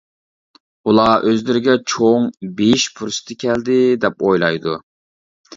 ئۇلار ئۆزلىرىگە چوڭ بېيىش پۇرسىتى كەلدى دەپ ئويلايدۇ.